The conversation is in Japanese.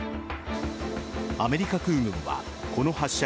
アメリカ空軍はこの発射